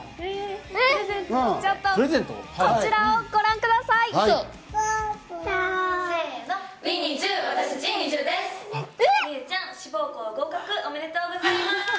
こちらをご覧ください。え！？え！